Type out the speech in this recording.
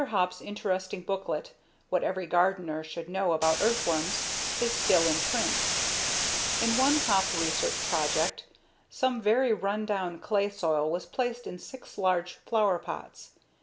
Hopp's interesting booklet, What Every Gardener Should Know About Earthworms. is still in print. In one Hopp research project, some very run down clay soil was placed in six large flowerpots.